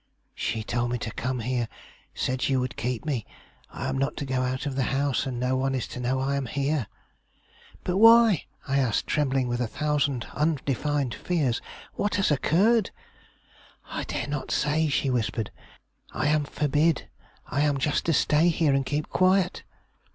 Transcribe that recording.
'She told me to come here; said you would keep me. I am not to go out of the house, and no one is to know I am here.' 'But why?' I asked, trembling with a thousand undefined fears; 'what has occurred?' 'I dare not say,' she whispered; 'I am forbid; I am just to stay here, and keep quiet.